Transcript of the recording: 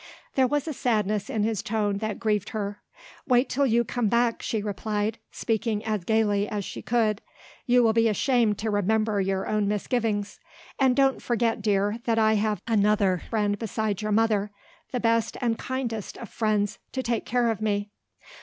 There was a sadness in his tone that grieved her. "Wait till you come back," she replied, speaking as gaily as she could. "You will be ashamed to remember your own misgivings. And don't forget, dear, that I have another friend besides your mother the best and kindest of friends to take care of me."